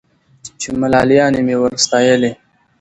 چي ملالیاني مي ور ستایلې